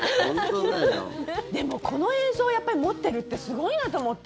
でも、この映像やっぱり持ってるってすごいなと思って。